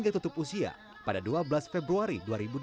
tidak pada dua belas februari dua ribu delapan belas